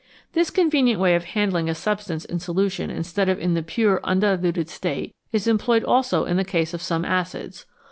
This convenient way of handling a substance in solution instead of in the pure, undiluted state is employed also in the case of some of the acids.